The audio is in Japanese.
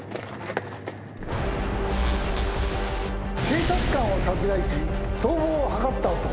警察官を殺害し逃亡を図った男。